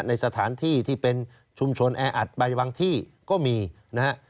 ในสถานที่ที่เป็นชุมชนแออัดไปบางที่ก็มีนะฮะ